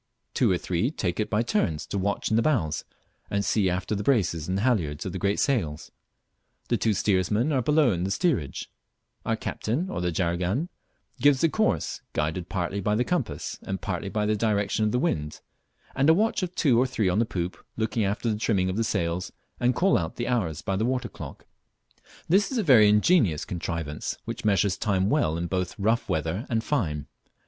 Two or three take it by turns to watch in the bows and see after the braces and halyards of the great sails; the two steersmen are below in the steerage; our captain, or the juragan, gives the course, guided partly by the compass and partly by the direction of the wind, and a watch of two or three on the poop look after the trimming of the sails and call out the hours by the water clock. This is a very ingenious contrivance, which measures time well in both rough weather and fine.